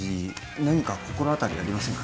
何か心当たりありませんか？